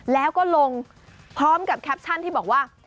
แล้วก็ลงพร้อมกับแคปชั่นที่บอกว่า